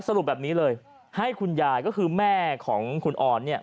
สรุปแบบนี้เลยให้คุณยายก็คือแม่ของคุณออนเนี่ย